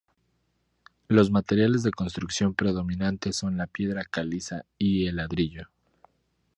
Los materiales de construcción predominantes son la piedra caliza y el ladrillo.